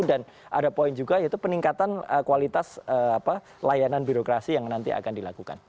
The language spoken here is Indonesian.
dan ada poin juga yaitu peningkatan kualitas layanan birokrasi yang nanti akan dilakukan